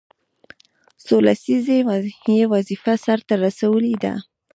څو لسیزې یې وظیفه سرته رسولې ده.